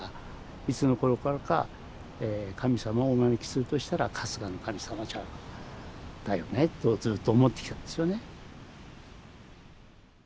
いつの頃からか神様をお招きするとしたら春日の神様だよねとずっと思ってきたんですよね。